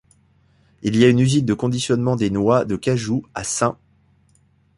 Il y a une usine de conditionnement des noix de cajou à St.